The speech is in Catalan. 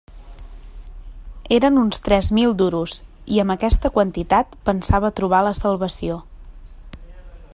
Eren uns tres mil duros, i amb aquesta quantitat pensava trobar la salvació.